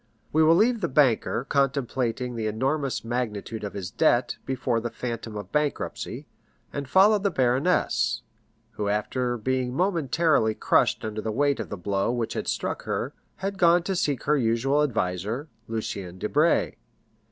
We will leave the banker contemplating the enormous magnitude of his debt before the phantom of bankruptcy, and follow the baroness, who after being momentarily crushed under the weight of the blow which had struck her, had gone to seek her usual adviser, Lucien Debray.